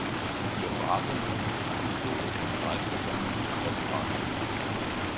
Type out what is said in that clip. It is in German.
Ihr waren die Befugnisse der Generalversammlung übertragen.